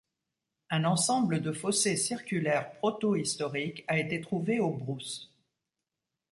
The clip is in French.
Un ensemble de fossés circulaires protohistoriques a été trouvé aux Brousses.